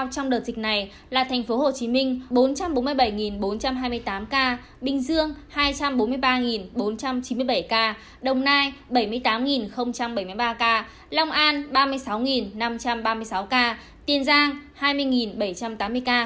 tổng số ca nhiễm dịch này là thành phố hồ chí minh bốn trăm bốn mươi bảy bốn trăm hai mươi tám ca bình dương hai trăm bốn mươi ba bốn trăm chín mươi bảy ca đồng nai bảy mươi tám bảy mươi ba ca long an ba mươi sáu năm trăm ba mươi sáu ca tiền giang hai mươi bảy trăm tám mươi ca